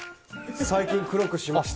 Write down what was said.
最近、黒くしました。